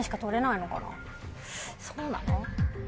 そうなの？